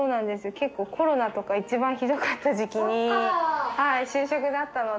結構コロナとか一番ひどかった時期に就職だったので。